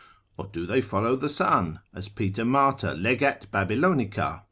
Or do they follow the sun, as Peter Martyr legat Babylonica l.